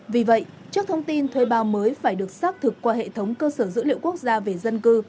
vì vậy trước thông tin thuê bao mới phải được xác thực qua hệ thống cơ sở dữ liệu quốc gia về dân cư